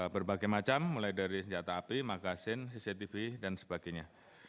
berbagai macam mulai dari senjata api magasin cctv dan sebagainya